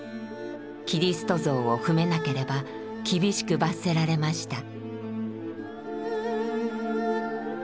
キリスト像を踏めなければ厳しく罰せられました。